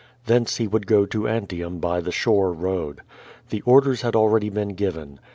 Thence he would go to Antium by the shore road. The orders had already been given.